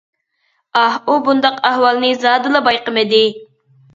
ئاھ، ئۇ بۇنداق ئەھۋالنى زادىلا بايقىمىدى.